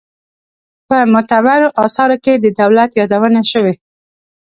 په معتبرو آثارو کې د دولت یادونه شوې.